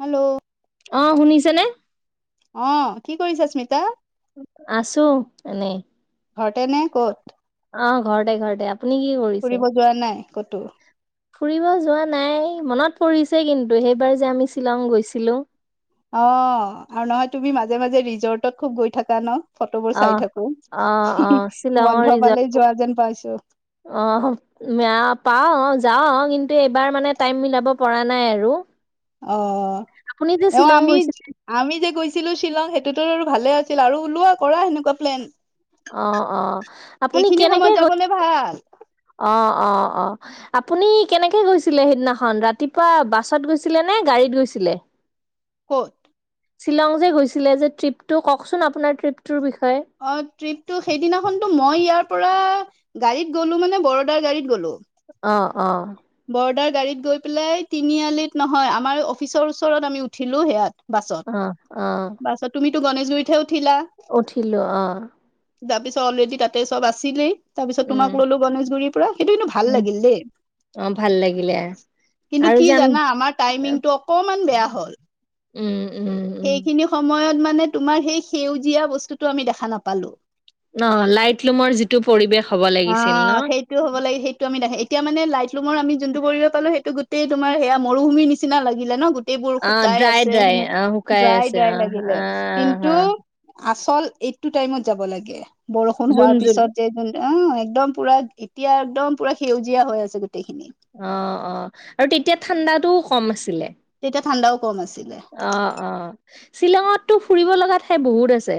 Hello. অ শুনিছেনে। অ কি কৰিছো স্মিতা। আছো এনে। ঘটে নে ক'ত। অ ঘৰতে ঘৰতে। আপুনি কি কৰিছে ফুৰিব যোৱা নাই কতো। ফুৰিব যোৱা নাই মনত পৰিছে কিন্তু সেইবাৰ যে আমি শ্বিলং গৈছিলো। অ, আৰু নহয় তুমি মাজে মাজে ৰিজৰ্টত খুব গৈ থাকা ন। ফটোবোৰ অ চাই থাকো, অ অ বন্ধ পালে যোৱা যেন পাইছো। আহ ম পা। যাওঁ কিন্তু এইবাৰ মানে টাইম মিলাব পৰা নাই আৰু। অ আপুনি যে এ শ্বিলং আমি গৈছিলে আমি যে গৈছিলো শ্বিলং। আৰু ভালে আছিল আৰু ওলোৱা কৰা সেনেকুৱা প্লেন। অ অ আপুনি এইখিনি কেনেকে সময়ত গৈ যাবলে ভাল অ। অ অ আপুনি কেনেকে গৈছিলে সেইদিনাখন ৰাতিপুৱা বাছত গৈছিলে নে গাড়ীত গৈছিল। ছিলে। কত। শ্বিলং যে গৈছিলে যে ট্ৰিপটো কওকচোন আপোনাৰ ট্ৰিপটোৰ বিষয়ে। অ ট্ৰিপ। ত সেইদিনাখনতো মই ইয়াৰ পৰা গাড়ীত গ'লো মানে বৰদাৰ গাড়ীত গ'লো। অ অ। বৰ্দাৰ গাড়ীত গৈ পেলাই তিনিআলিত নহয় আমাৰ অফিচৰ ওচৰত আমি উঠিল। তোসেয়াত অ', অ', বাছত বাছত তুমিতো গণেশগুৰিতহে উঠিলো আহ তাৰ পিছত অলৰেডি তাতে চব আছিলেই তাৰপিছত উম, তোমাক ল'লো গণেশগুৰিৰ পৰা সেইটো কিন্তু ভাল উম, লাগিল দেই অ', ভাল লাগিলে কিন্তু আৰু কি যাম জানা আমাৰ টাইমিংটো অকমান বেয়া হল উম উম, উম, সেইখিনি সময়ত মানে তোমাৰ সেই সেউজীয়া বস্তুটো আমি দেখা নাপালো ন লাইটলোমৰ যিটো পৰিৱেশ হ'ব অ লাগিছিল ন? সেইটো হ'ব লাগে সেইটো আমি দেখে এতিয়া মানে লাইট লোমৰ আমি যোনটো কৰিব পালো সেইটো গোটেই তোমাৰ মৰুভূমি নিচিনা লাগিলে ন গো গোটেবোৰ অ', শুকাই ড্ৰাই আছে ড্ৰাই সেনে অ', শুকাই ড্ৰাই আছে ড্ৰাই অ', লাগিলে আহ, কিন্তু হা আচল এইটো টাইমত যাব লাগে বৰষুণ জুন হোৱাৰ জুন পিছত যে অ একদম পোৰা এতিয়া একদম পোৰা সেউজীয়া হৈ আছে গোটেই অ অ আৰু তেতিয়া ঠাণ্ডাতটোও কম আছে যে তেতিয়া ঠাণ্ডাও কম আছিলে অ অ শ্বিলঙত তোৰ ফুৰিব লগা ঠাই বহুত আছে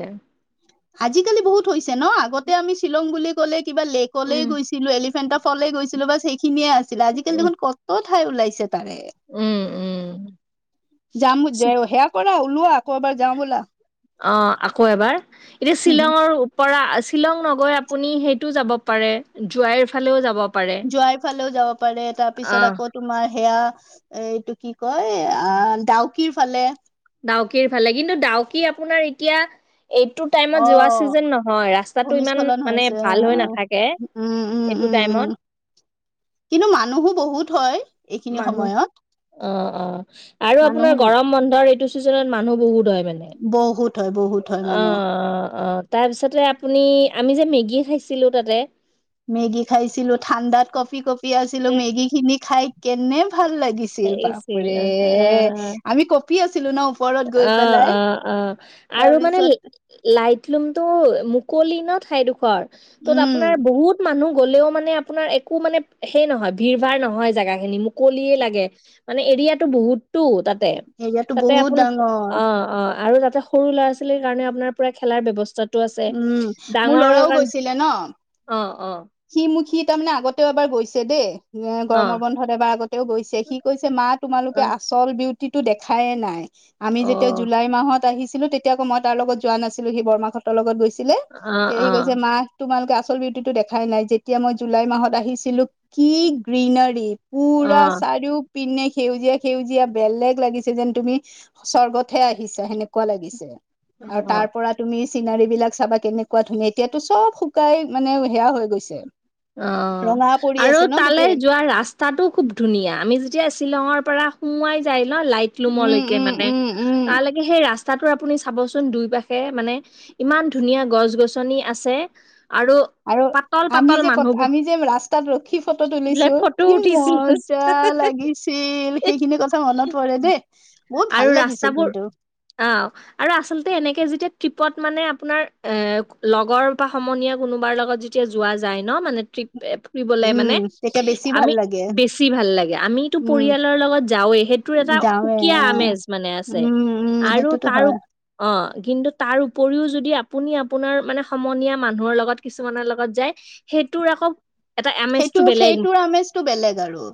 আজিকালি বহুত হৈছে ন আগতে আমি শ্বিলং বুলি ক'লে কিবা লোকলে উম, গৈছিলো এলিফেণ্টৰ ফলে গৈছিলো বচ সেইখিনিয়ে আছিলে আজিকালি উম, দেখোন কত ঠাই ওলাইছে তাৰে উম, উম, যাম সেয়া কৰা ওলোৱা আকৌ এবাৰ যাওঁ বলা অ আকৌ এবাৰ এতিয়া শ্বিলঙৰ পৰা শ্বিলং নগৈ আপুনি সেইটো যাব পাৰে জোৱাইৰ ফালেও যাব পাৰে যোৱাৰাই ফালেও যাব পাৰে তাৰ পিছত আহ আকৌ তোমাৰ সেয়া এইটো কি কয় আ ডাউকিৰ ফালে ডাউকিৰ ফালে কিন্তু ডাউকি আপোনাৰ এতিয়া এইটো টাইমত অ যোৱা ছিজন নহয় ৰাস্তাটো ইমান ভূমিস্খলন মানে হৈছে অ ভাল হৈ অ নাথাকে উম উম এইটো উম উম টাযাম ন কিন্তু মানুহো বহুত হয় এইখিনি মানুহ সময়ত অ অ আৰু আপোনাৰ মানুহো বহুত গৰম বন্ধৰ এইটো চিজন মানুহ বহুত হয় মানে বহুত হয় বহুত হয় অ মানুহ অ অ তাৰপিছতে আপুনি আমি যে মেগী খাইছিলো তাতে মেগি খাইছিলো ঠাণ্ডাত কফি কফি আছিলো মেগী খিনি খাই কেনে ভাল লাগিছিল বাপৰে আছিল আমি কঁপি আছিলো ন ওপৰত গৈ অ পেলাই অ অ আৰু মানে তাৰপিছত লাইট ৰোমটো মুকলি ন ঠাইডোখৰ তত উম আপোনাৰ বহুত মানুহ গ'লেও মানে আপোনাৰ একো মানে সেই নহয় ভিৰ ভাৰ নহয় জেগা খিনি মুকলিয়ে লাগে মানে এতিয়াত বহুতো তাত হেৰিয়াতো বহুত দাম [unintelligible] অ অ আৰু তাতে সৰু ল'ৰা ছোৱালীৰ কাৰণে আপোনাৰ পোৰা খেলাৰ ব্যৱস্থাত আছে উম মোৰ ডাঙৰৰ ল'ৰাও কাৰণে গৈছিলে ন অ অ', সি মোক সি তাৰমানে আগতেও এবাৰ গৈছে দেই এ অ', গৰমৰ অ', বন্ধত এবাৰ আগতেও গৈছে সি কৈছে মা তোমালোকে আচল বিউ দেখাইে নাই আমি যেতিয়া অ', জুলাই মাহত আহি কিন্তু তেতিয়া কৌ মই তাৰ লগত যোৱা নাছিলো সি বৰৰ্মাহঁতৰ লগত গৈছিলে তে সি অ', কৈছে মা তোমালোকে আচল বিউটি দেখাই নাই যেতিয়া মই জুলাই মাহত আহিছিলো কি গ্ৰীনাৰী পোৰা অ', চাৰিও পিনে সেউজীয়া সেউজীয়া বেলেগ লাগিছে যেন তুমি স্বৰ্গতহে আহিছা সেনেকুৱা লাগিছে আৰু অ', তাৰ পৰা তুমি চিলাৰী বিলাক চাবা কেনেকুৱা ধুনীয়া এতিয়াতো চব শুকাই মানে সেয়া হৈ গৈছে অ ৰঙা পৰি আৰু আছে ন তালৈ গোটেই যোৱা ৰাস্তাটো খুব ধুনীয়া আমি যেতিয়া শ্বিলঙৰ পৰা সোমোৱাই যায় ন লাইট উম ৰুমলৈকে উম মানে উম উম তালৈকে সেই ৰা তাতো আপুনি চাবচোন দুই পাশে মানে ইমান ধুনীয়া গছ গছনি আছে আৰু আৰু পাতল পাত আমি যে ক আমি যে ৰাস্তাত ৰখি ফটো তুলিছো ফটো কি উঠিছিলো মজা লাগিছিল সেইখিনি কথা মনত পৰে দেই বহুত ভাল আৰু লাগিছে ৰাস্তাবোৰ কিন্তু অ আৰু আচলতে এনে কে যেতিয়া ট্ৰিপত মানে আপোনাৰ অ লগৰ বা সমনীয়া কোনোবাৰ লগত যেতিয়া যোৱা যাই যায় ন মানে ট্ৰিপ এ ফুৰিবলে মানে উম তেতিয়া বেছি ভাল আমি লাগে বেছি ভাল লাগে আমিতো উম পৰিয়ালৰ লগত যাওৱেহে এইটোৰ এটা যাওঁৱে সুকীয়া অ আমেজ মানে আছে উম উম আৰু সেইটোতো তাৰ হয় অ কিন্তু তাৰ উপৰিও যদি আপুনি আপোনাৰ মানে সমনীয়া মানুহৰ লগত কিছুমানৰ লগত যায় সেইটোৰ আকৌ এটা সেইটো আমেজটো বেলেগ সেইটোৰ আমেজটো বেলেগ আৰু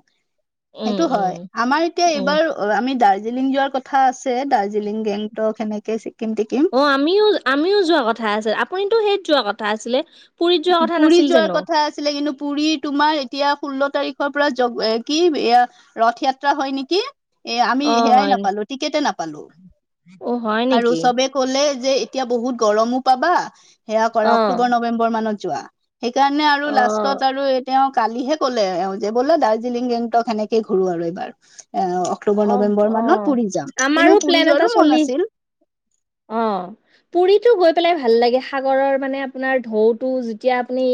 উম সেইটো উম হয় আমাৰ এতিয়া উম এইবাৰ আমি দাৰ্জ দাৰ্জিলিং যোৱাৰ কথা আছে দাৰ্জিলং গেংটক সেনেকে ছিকিম টিকিম অ আমিও আমিও যোৱা কথা আছিল আপুনিতো সেই যোৱা কথা আছিলে পুৰীত যোৱা কথা পুুৰী নাছিল যোৱাৰ জানো কথা আছিলে কিন্তু পুুৰী তোমাৰ এতিয়া ষোল্ল তাৰিখ [unintelligible] পৰা য কি ৰথয়াত্ৰা হয় নেকি এ আমি অ সেয়াই হয় নি নাপালো টিকেটে নাপালো অ হয় নেকি আৰু চবে কলে যে এতিয়া বহুত গৰমো পাবা সেয়া অ কৰা অক্টোবৰ নৱেম্বৰ মানত যোৱা সেইকাৰণে আৰু অ লাষ্টত আৰু এ তেওঁ কালিহে ক'লে এওঁ যে বোলে দাৰ্জিলিংট সেনেকেই ঘূৰো আৰু এইবাৰ এ অক্টোবৰ অ নৱেম্বৰ অ মানত পুৰি যাম কিন্তু আমাৰো ম পুৰি প্লেন এটা যোৱাৰো মন চলি আছিল অ পুৰীতো গ পেলাই ভাল লাগে সাগৰৰ মানে আপোনাৰ ঢৌ টো জেইয়া আমি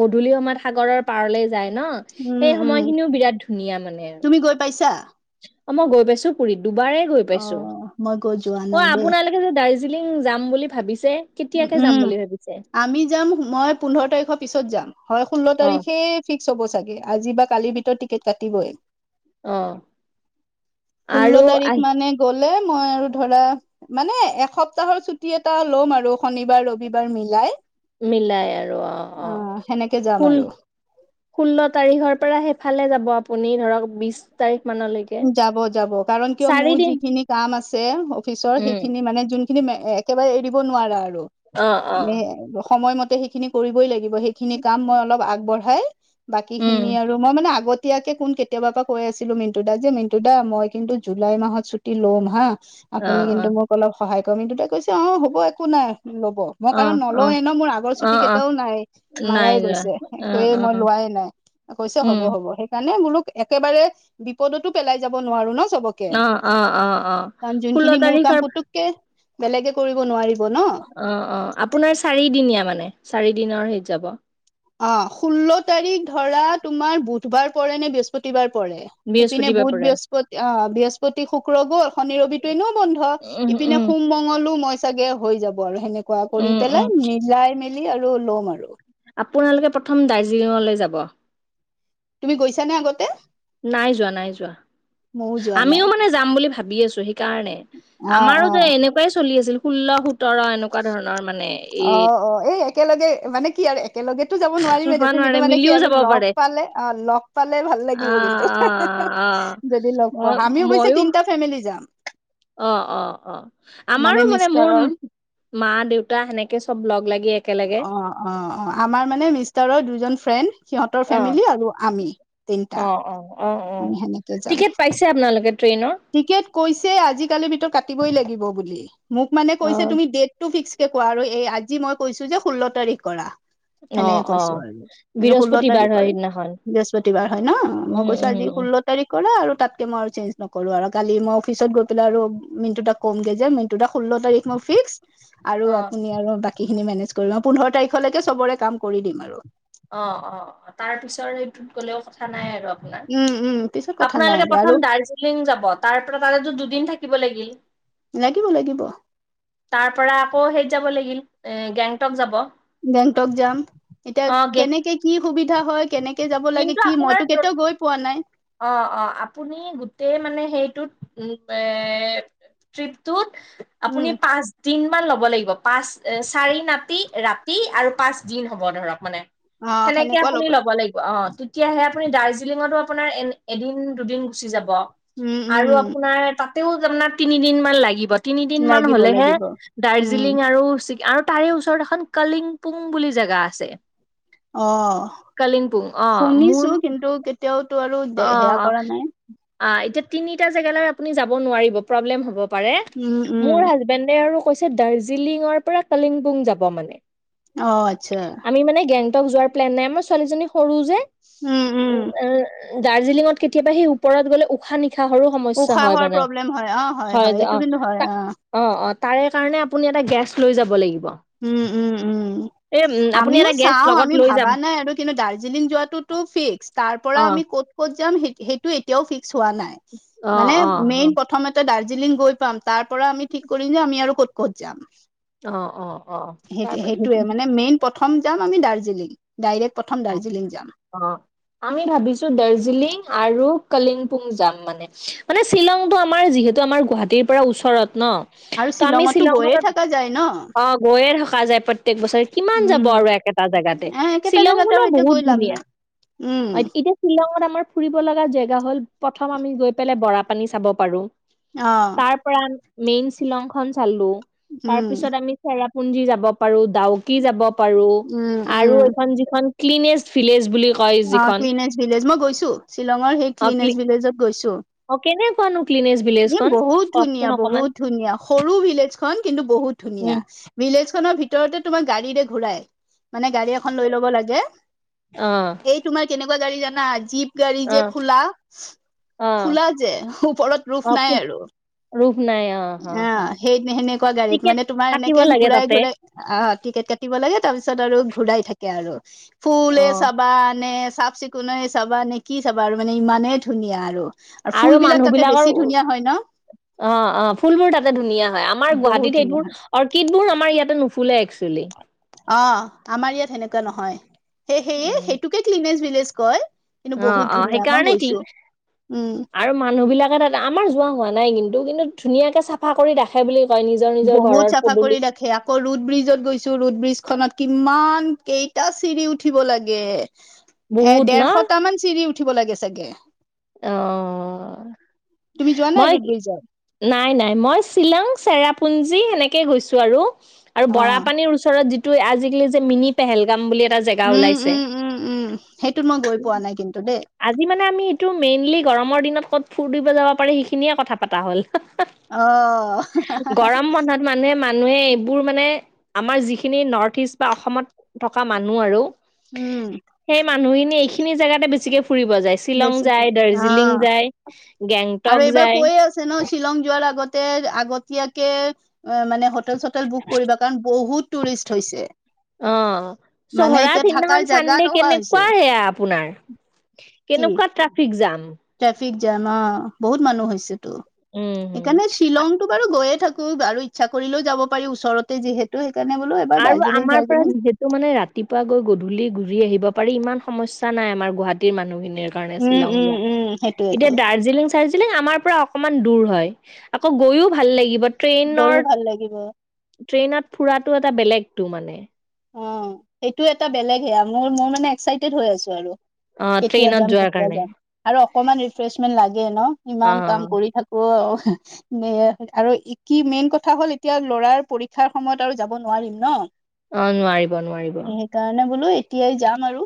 গধূলি সময়ত সাগৰৰ পাৰলে যাই ন উম সেই উম সময়খিনিও বিৰাট ধুনীয়া মানে আৰু তুমি গৈ পাইছা অ মই গৈ পাইছো পুুৰীত দুবাৰেই গৈ অ পাইছো মই গৈ যোৱা মই নাই দেই আপোনালোকে যে যাম বুলি ভাবিছিল উম আমি যাম মই পোন্ধৰ তাৰিখৰ পিছত যাম হয় ষোল্ল অ তাৰিখে ফিক্স হব চাগে আজি বা কালিৰ ভিতৰত টিকেট কাটিবই অ আৰু ষোল্ল তাৰিখ আহি মানে গ মই আৰু ধৰা মানে এসপ্তাহৰ ছুটি এটা ল'ম আৰু শনিবাৰ ৰবিবাৰ মিলাই মিলাই আৰু অ অ সেনেকে যাম কুল আৰু ষোল্ল তাৰিখৰ পৰা সেইফালে যাব আপুনি ধৰক বিশ তাৰিখ মানলৈকে যাব যাব কাৰণ কিয় মোৰ চাৰিদিন যিখিনি কাম আছে অফিচৰ উম সেইখিনি মানে যোন স খিন একেবাৰে এৰিব নোৱাৰা আৰু অ অ সময়মতে সেইখিনি কৰিবই লাগিব সেইখিনি কাম মই অলপ আগবঢ়াই বাকী উম খিনি আৰু মই মানে আগত এতিয়াকে কোন কেতিয়াবাৰ পৰা কৈ আছিলো মিণ্টু দা যে মিনটু দা মই কিন্তু জুলাই মাহত ছুটি ল'ম হা অ আপুনি অ কিন্তু মোক অলপ সহায় কৰিম কিন্ত ততে কৈছে অ হ'ব একো নাই [unintelligible] ল'ব মই অ কাৰণো অ নলৱে ন মোৰ আগৰ অ ছুটি অ কেইটায়াও নাই নাই মাজাই যোৱা গৈছে একয়ে অ', মই অ', লোৱাই [unintelligible] নাই কৈছে হ'ব উম, হ'ব সেইকাৰণে মোলোক একেবাৰে বিপদতো পেলাই যাব নোৱাৰো ন চবকে অ', অ', অ', অ', কাৰণ ষোল্ল যোনখিনি মোৰ কাম তাৰিখৰ পুতুককে বেলেগে কৰিব নোৱাৰিব ন অ অ আপোনাৰ চাৰিদিনীয়া মানে চাৰি দিনৰ হেইত যাব [unintelligible] অ ষোল্ল তাৰিখ ধৰা তোমাৰ বুধবাৰ পৰে নে বৃহস্পতিবাৰ পৰে সেইপিনে বৃহস্পতিবাৰ বুত পৰে বৃহস্পতি অ বৃহস্পতি শুক্ৰ গল শনি ৰবিটো এনেও বন্ধ উম, ইপিনে উম, সোমঙলো মই চাগে হৈ যাব আৰু সেনেকুৱা কৰি উম, উম, পেলাই মিলাই মেলি আৰু লম আৰু আপোনালোকে প্ৰথম দাৰ্জিলিঙলৈ যাব তুমি গৈছানে আগতে নাই যোৱা নাই যোৱা ময়ো যোৱা নাই আমিও মানে যাম বুলি ভাবি আছো সেই সেইকাৰণে অ অ আমাৰোতো এনেকুৱাই চলি আছিল ষোল্ল সোতৰ এনেকুৱা ধৰণৰ মানে অ এই অ এই একেলগে মানে কি আৰু একেলগেতো যাব নোৱাৰিমেইে হোৱা দেচোন কিন্তু নোৱাৰে মানে কি মিলিও আৰু যাব লগ পাৰে পালে অ লগ পালে ভাল লাগিব অ', কিন্তু অ', অ', যদি লগ পোৱা মই আমি অৱশ্যে ময়ো তিনটা ফেমিলি যাম অ অ অ আমাৰো মানে মোৰ মা দেউতা সেনেকে চব লগ লাগি একেলগে অ অ অ আমাৰ মানে মিষ্টাৰৰ দুজন ফ্ৰেণ্ড সিহঁতৰ অ ফেমিলি আৰু আমি তিনটা অ অ অ অ আমি সেনেকে যাম টিকেট পাইছে আপোনালোকে ট্ৰেইনৰ টিকেট কৈছে আজি কালি ভিতত কাটিব লাগিব বুলি মক মানে অ কৈছে তুমি দেতটো ফিক্স। ত কোৱা আৰু এই আজি মই কৈছোঁ যে ষোল্ল তাৰিখ কৰা। অ সেনেকে অ কৈছো আৰু ষোল্ল বৃহস্পতিবাৰ হয় তাৰিখৰে সিদিনাখন বৃহস্পতিবাৰ হয় ন মই উম কৈছো উম আজি। উম ষোল্ল তাৰিখেক কৰা আৰু তাতকে মই আৰু চেঞ্ নকৰো আৰু কালি মই অফিচত গৈ পেলাই আৰু মিনটো দাক কমগে যে দুটা ষোল্ল তাৰিখ মই ফিক্স আৰু অ আপুনি আৰু বাকী সখিনি মেনেজ কৰি পোন্ধৰ তাৰিখলৈকে চবৰে কাম কৰি দিম আৰু অ অ অ তাৰ পিছৰ সেইটোত গ'লেও কথা নাই আৰু উম, উম, পিছত কথা নাই আপোনালোকে আৰু আৰু প্ৰথম দাৰ্জিলিং যাব তাৰ পৰা তাতো দুদিন থাকিব লাগিব। লাগিব লাগিব তাৰ পৰা আকৌ সেই যাব লাগিল এ গেংটক যাব গেংটক যাম। এতিয়া অ গে কেনেকে কি সুবিধা হয় কেনেকে যাব লাগে কিন্তু কি মইতো আপোনাৰ কেতিয়াও গৈ পোৱা নাই অ অ আপুনি গোটেই মানে সেইটোত এ ট্ৰিপটোত আপুনি উম, পাঁচ দিন কিমান ল'ব লাগিব পাঁচ চাৰি নাতি ৰাতি আৰু পাঁচ দিন হ'ব ধৰক মানে অ', সেনেকে সেনেকুৱা আপুনি ল'ব লাগিব অ তেতিয়াহে আপুনি দাৰ্জিলিঙতো আপোনাৰ এ এদিন দুদিন গুচি যাব উম, উম, আৰু আপোনাৰ তা ও তাৰ তিনি দিন মান লাগিব তিনিদিন মান লাগিব হলেহে লাগিব। উম, দাৰ্জিলিং আৰু আৰু তাৰে ওচৰত এখন কালিংপুং বুলি জেগা আছে। অ', কলিমপুং অ শুনিছো মোৰ কিন্তু কেতিয়াওতো আৰু দে অ সেয়া অ কৰা নাই। আ এতিয়া তিনিটা জেগালে আপুনি যাব নোৱাৰিব পৰ্ব্লেম হব পাৰে উম, উম, মোৰ হাজবেণ্ডদে আৰু কৈছে দাৰ্জিলিঙৰ পৰা কলিংগ পুং যাব মানে অ আচ্ছা আমি মানে গেংটক যোৱাৰ প্লেন নাই মাৰ ছোৱালী সৰু যে উম উ উম দাৰ্জিলিঙত কেতিয়াবা সেই ওপৰত গ'লে উশাহ নিশাহ নিশাৰো সমস্যা হয় উশাহৰ মানে প্ৰব্লেম হয় অ', হয় যে এইটো অ কিন্তু হয় অ অ তাৰে কাৰণে আপুনি এটা গেছ লৈ যাব লগিব উম, উম, উম। আমিও চাওঁ আমি লৈ যাব ভাবা নাই আৰু কিন্তু দাৰ্জিলিং যোৱাটোতো ফিক্স তাৰ পৰা অ আমি কত কত যাম সেইটো এতিয়াও ফিক্স হোৱা নাই অ মানে অ অ মেইন প্ৰথমতে ডাৰ দাৰ্জিলিং গৈ পাম তাৰ পৰা আমি ঠিক কৰিম যে আমি আৰু ক'ত ক'ত যাম অ অ অ সেই সেইটোয়ে, তাৰপৰা মানে মেইন প্ৰথম যাম আমি দাৰ্জিলিং ডাইৰেক্ট। প্ৰথম দাৰ্জিলিং যাম অ' আমি ভাবিছো দাৰ্জিলিং আৰু কলিংপুং যাম মানে। মানে, শ্বিলংতটো আমাৰ যিহেতু আমাৰ গুৱাহাটীৰ পৰা ওচৰত। ন। আৰু ত আমি শ্বিলঙতো শ্বিলঙত গৈয়ে থকা যায় ন অ গৈয়ে থ থকা যায় প্ৰত্যেক বছৰে কিমান যাব উম আৰু একেটা জেগাতে। এ একেটা শ্বিলং জেগাতে খনো আৰু এতিয়া বহুত গৈ লাভ ধুনীয়া নাই উম হয়। এতিয়া শ্বিলঙত আমাৰ ফুৰিব লগা জেগা হল প্ৰথম আমি গৈ পেলাই বৰা পানী চাব পাৰো। অ তাৰ পৰা মেইন শ্বিলং খন চালো। তাৰ উম পিছত আমি চেৰাপুঞ্জি যাব পাৰো। ডাউকি যাব পাৰো উম উম আৰু এখন যিখন কিলিনেছ ফিলেজ অ' ক্লিনেছ ভিলেজ। মই গৈছো শ্বিলঙৰ সেই অ', ক্লিনেছ ভিলেজত গৈছো। অ কেনেকুৱানো ক্লিনেজ ভিলেজ খন এ'বহুত কওকচোন ধুনীয়া অকমান বহুত ধুনীয়া। সৰু ভিলেজ খন কিন্তু বহুত ধুনীয়া। উম ভিলেজ খনৰ ভিতৰত ভিতৰতে তোমাৰ গাড়ীৰে ঘূৰাই। মানে গাড়ী এখন লৈ ল'ব লাগে। অ এই তোমাৰ কেনেক কেনেকুৱা গাড়ী জানা জীপ গাড়ী অ যে খোলা অ খোলা যে, ওপৰত প্ৰভ অ নাই আৰু। ৰূপ নাই অ অ' সেই সেনেকুৱা গাড়ীত টিকেট মানে তোমাৰ কাটিব এনেকে লাগে ঘূৰাই তাতে ঘুৰাই অ টিকেট কাটিব লাগে ত তাৰপিছত আৰু ঘূৰাই থাকে আৰু ফুল অ চাব। নে চাফ চিকুণে চাবা নে, কি চাবা আৰু মানে ইমানেই ধুনীয়া আৰু। ফুল আৰু বিলাক মানুহ তাতে বিলাকৰ বেছি উম, ধুনীয়া হয় ন অ, অ। ফুলবোৰ তাতে ধুনীয়া হয় আমাৰ বহুত গুৱাহাটীত ধুনীয়া সেইবোৰ অৰ্কিডবোৰ আমাৰ ইয়াতে নুফুলে একচুৱেলি। অ' আমাৰ ইয়াত সেনেকুৱা নহয়। সেই সেয়ে সেইটোকে ক্লিনেজ ভিলজ কয়। কিন্তু অ বহুত 'অ ধুনীয়া মই সেইকাৰণে কি গৈছো উম আৰু মানুহ বিলাকে তাত আমাৰ যোৱা হোৱা নাই কিন্তু। কিন্তু ধুনীয়াকে চাফা কৰি ৰাখে বুলি- কয় নিজৰ নিজৰ বহুত ঘৰৰ চাফা কৰি পদূলিত ৰাখে। আকৌ, ৰুড ব্ৰিজত গৈছো ৰুড ব্ৰিজ খন কিমান কেইটা চিৰি উঠিব লাগে। এ বহুত ন দেৰশটামান চিৰি উঠিব লাগে চাগে। অহ তুমি যোৱা নাই মই ৰুড ব্ৰিজত নাই নাই মই শ্বিলং চেৰাপুঞ্জী- চি সেনেকে গৈছো আৰু অ বৰা পানীৰ ওচৰত যিটো আজিকালি যে মিনি পেহেলগাম বুলি এটা জেগা উম, ওলাইছে উম, উম, উম সেইটোত মই গৈ পোৱা নাই কিন্তু দেই। টো মেইনলি গৰমৰ দিনত ক'ত ফুৰৰি দিব যাব পাৰে সেইখিনিয়ে কথা পতা হ'ল। অ গৰম বন্ধত মানুহে মানে মানুহে এইবোৰ মানে আমাৰ যিখিনি নৰ্থ ইষ্ট বা অসমত থকা মানুহ আৰু উম সেই মানুহখিনি এইখিনি জেগাতে বেছিকে ফুৰিব যায় শ্বিলং। বেছিকে যায় অ দাৰ্জিলিং যায় 'আৰু গেংটক এইবাৰ যায় কৈয়ে আছে ন, শ্বিলং যোৱাৰ আগতে আগতীয়া টিকেট মানে হোটেল চোটেল বুক কৰিবা, কাৰণ বহুত টুৰিষ্ট হৈছে। অহ' মানে চহৰা এতিয়া দিনাখন। থাকাৰ জাগা চানডে নোহোৱা কেনেকুৱা হৈছে সেয়া আপোনাৰ। কি কেনেকুৱা ট্ৰেফিক জাম। ট্ৰেফিক জাম অ বহুত মানুহ হৈছেতো। উম, হুম। সেইকাৰণে শ্বিলংতটো বাৰু গৈ য়ে থাকো আৰু ইচ্ছা কৰিলেও যাব পাৰি ওচৰতে যিহেতু। সেইকাৰণে বোলো এবাৰ আৰু দাৰ্জিলিং আমাৰ পৰা চাৰ্জিলিং যিহেতু মানে ৰাতিপুৱা গৈ গধূলি ঘুৰি আহিব পাৰি ইমান সমস্যা নাই আমাৰ গুৱাহাটীৰ মানুহ খিনিৰ কাৰণে উম শ্বিলং উম যোৱাটো উম এতিয়া সেইটোয়েটো দাৰ্জিলিং দাৰ্জিলিং আমাৰ পৰা অকমান দূৰ হয়। আকৌ গৈওভাল লাগিব। গৈ ট্ৰেইনৰ ভাল লাগিব। ট্ৰেইনত ফুৰাতটো এটা বেলেগতটো মানে। অ' সেইটো এটা বেলেগ সেয়া মোৰ মোৰ মানে এক্সাইটেড হৈ আছো আৰু। অহ কেতিয়া যাম কেতিয়া যাম আৰু অকমান ৰিফ্ৰেচমেন্ট লাগে ন ইমান অ', কাম অ', কৰি থাকো। আৰু কি মেইন কথা হ'ল এতিয়া লৰাৰ পৰীক্ষাৰ সময়ত আৰু যাব নোৱাৰিম ন। অ নোৱাৰিব নোৱাৰিব। সেইকাৰণে বোলো এতিয়াই যাম আৰু।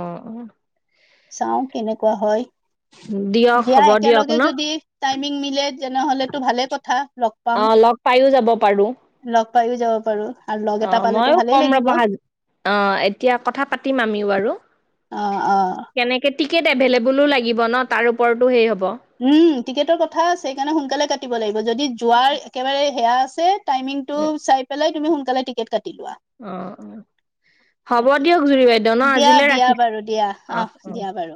অঁ অঁ। চাওঁ কেনেকুৱা হয়। দিয়ক দিয়া হ'ব দিয়ক একেলগে ন? যদি টাইমিং মিলে তেনেহলেতটো ভালে কথা লগ পাম। অ লগ পাইও যাব পাৰো। পাও যাব পাৰো আৰু লগ এটা অ', পালে ময়ো কম ৰবা আজি অ এতিয়া কথা পাতিম আমিও বাৰু অ কেনেকে টিকেট এভেলইবুলো লাগিব ন, তাৰ ওপৰতো সেই হ'ব। উম টিকেটৰ কথা সেইকাৰণে সোনকালে কাটিব লাগিব যদি যোৱাৰ একেবাৰে সেয়া আছে, টাইমিংটো উম, চাইপেলাই তুমি সোনকালে টিকেট কা অ অ। হ'ব তাকে দিয়ক জুৰি বাইদউ ন দিয়া আজিলৈ দিয়া ৰাখিছোঁ। বাৰু দিয়া অ অঁ অঁ দিয়া বাৰু